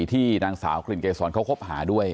ที่นางสาวกลิ่นเกษรเขาคบหาด้วย